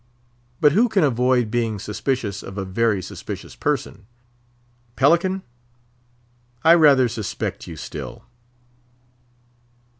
But who can avoid being suspicious of a very suspicious person? Pelican! I rather suspect you still.